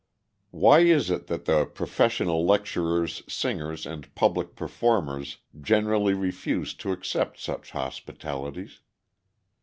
] Why is it that the professional lecturers, singers, and public performers generally refuse to accept such hospitalities?